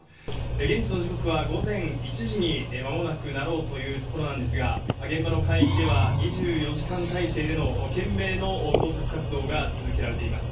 現地の時刻は午前１時にまもなくなろうというところですが、現場の海域では、２４時間態勢での懸命の捜索活動が続けられています。